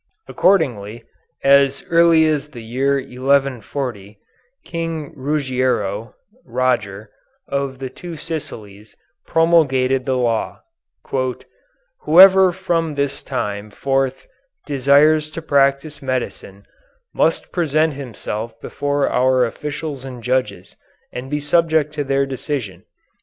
Accordingly, as early as the year 1140, King Ruggiero (Roger) of the Two Sicilies promulgated the law: "Whoever from this time forth desires to practise medicine must present himself before our officials and judges, and be subject to their decision.